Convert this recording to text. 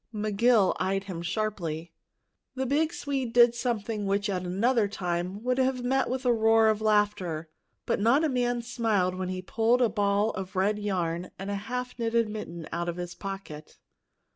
McGill eyed him sharply. The big Swede did something which at another time would have met with a roar of laughter; but not a man smiled when he pulled a ball of red yarn and a half knitted mitten out of his pocket.